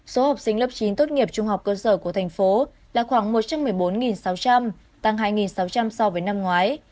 số học sinh lớp chín tốt nghiệp trung học cơ sở của thành phố là khoảng một trăm một mươi bốn sáu trăm linh tăng hai sáu trăm linh so với năm ngoái